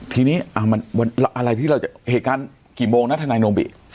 ทีนี้มันอะไรที่เราจะเหตุการณ์กี่โมงนะทนายโนบิ